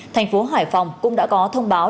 thành phố hải phòng cũng đã có thông báo